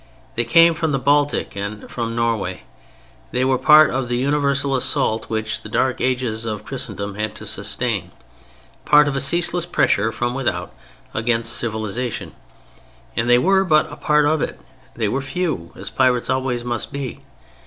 They came from the Baltic and from Norway. They were part of the universal assault which the Dark Ages of Christendom had to sustain: part of a ceaseless pressure from without against civilization; and they were but a part of it. They were few, as pirates always must be.